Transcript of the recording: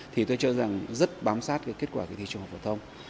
thì tôi cho rằng rất bám sát kết quả kỳ thi trung học phổ thông